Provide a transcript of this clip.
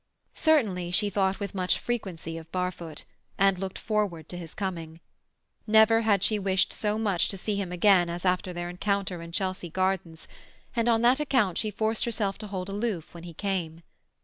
Certainly she thought with much frequency of Barfoot, and looked forward to his coming. Never had she wished so much to see him again as after their encounter in Chelsea Gardens, and on that account she forced herself to hold aloof when he came.